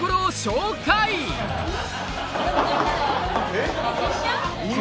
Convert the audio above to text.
えっ？